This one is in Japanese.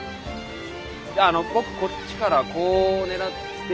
あの僕こっちからこう狙っていく。